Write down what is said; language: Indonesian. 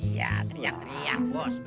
iya teriak teriak bos